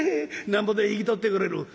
なんぼで引き取ってくれる？」。